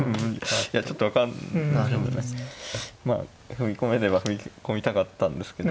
踏み込めれば踏み込みたかったんですけど。